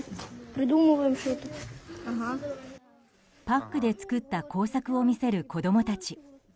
パックで作った工作を見せる子供たち。